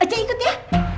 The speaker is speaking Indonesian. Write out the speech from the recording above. ajak ikut ya